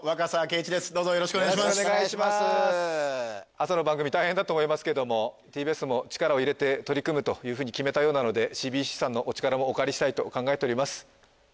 朝の番組大変だと思いますけどもＴＢＳも力を入れて取り組むと決めたようなのでＣＢＣさんのお力もお借りしたいと考えております